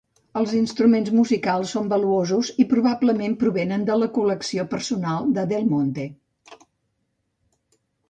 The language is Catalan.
Els instruments musicals són valuosos i probablement provenen de la col·lecció personal de Del Monte.